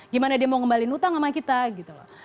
gimana dia mau ngembalin utang sama kita gitu loh